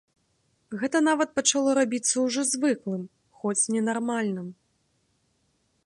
Гэта нават пачало рабіцца ўжо звыклым, хоць ненармальным.